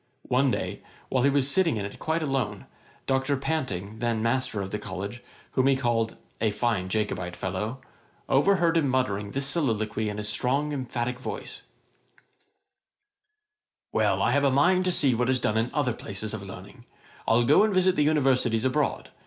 One day, while he was sitting in it quite alone, Dr. Panting, then master of the College, whom he called 'a fine Jacobite fellow,' overheard him uttering this soliloquy in his strong, emphatick voice: 'Well, I have a mind to see what is done in other places of learning. I'll go and visit the Universities abroad.